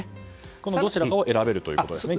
このどちらかを現状、選べるということですね。